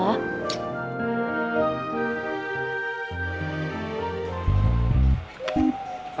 kawan davin ini kenapa paling lama ya